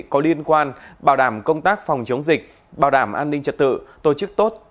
có liên quan bảo đảm công tác phòng chống dịch bảo đảm an ninh trật tự